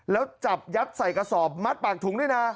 แล้วจับยัดใส่กระสอบมัดปากถุงด้วยนะ